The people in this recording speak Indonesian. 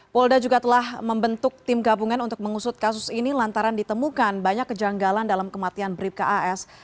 polda juga telah membentuk tim gabungan untuk mengusut kasus ini lantaran ditemukan banyak kejanggalan dalam kematian bribka as